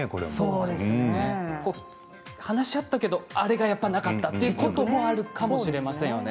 話し合ったけどやっぱりあれがなかったということもあるかもしれませんね。